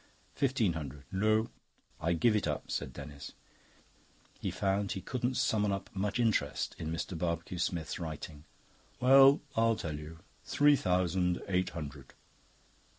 "Fifteen hundred." "No." "I give it up," said Denis. He found he couldn't summon up much interest in Mr. Barbecue Smith's writing. "Well, I'll tell you. Three thousand eight hundred."